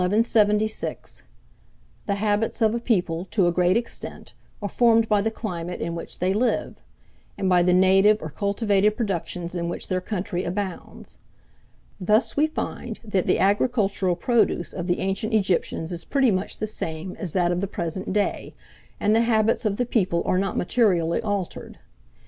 THE HABITS OF A PEOPLE, to a great extent, are formed by the climate in which they live, and by the native or cultivated productions in which their country abounds. Thus we find that the agricultural produce of the ancient Egyptians is pretty much the same as that of the present day, and the habits of the people are not materially altered.